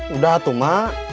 udah tuh mak